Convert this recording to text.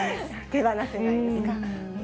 手放せないですか。